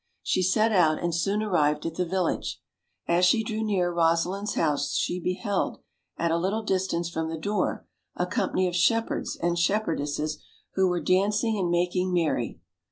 She set out, and soon ar rived at the village. As she drew near Eosalind's house she beheld, at a little distance from the door, a company of shepherds and shepherdesses, who were dancing and making merry.